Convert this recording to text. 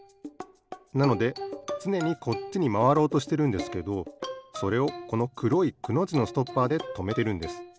なのでつねにこっちにまわろうとしてるんですけどそれをこのくろい「く」のじのストッパーでとめてるんです。